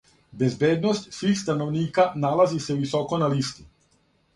Безбедност свих становника налази се високо на листи.